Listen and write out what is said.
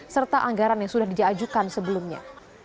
serta anggaran yang sudah diajukan sebelumnya